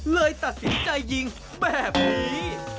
เลยตัดสินใจยิงแบบนี้